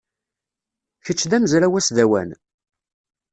Kečč d amezraw asdawan?